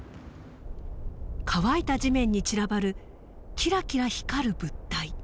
乾いた地面に散らばるキラキラ光る物体。